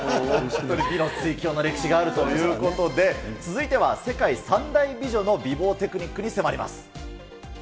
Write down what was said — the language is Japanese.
美の追求の歴史があるということで、続いては世界三大美女の美貌テクニックに迫ります。